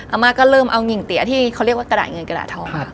อาม่าก็เริ่มเอาหิ่งเตี๋ยที่เขาเรียกว่ากระดาษเงินกระดาษทองค่ะ